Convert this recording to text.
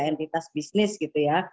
entitas bisnis gitu ya